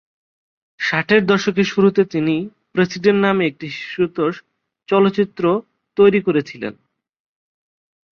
ষাটের দশকের শুরুতে তিনি ‘প্রেসিডেন্ট’ নামে একটি শিশুতোষ চলচ্চিত্র তৈরি করেছিলেন।